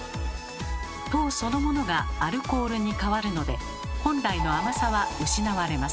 糖そのものがアルコールに変わるので本来の甘さは失われます。